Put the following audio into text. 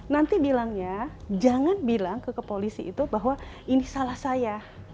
nanti bilangnya jangan bilang ke kepolisi itu bahwa ini salah saya